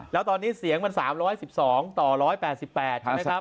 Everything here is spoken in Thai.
แล้วตอนนี้เสียงมัน๓๑๒ต่อ๑๘๘ใช่ไหมครับ